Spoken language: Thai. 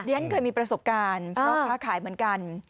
ฉันเคยมีประสบการณ์เพราะค้าขายเหมือนกัน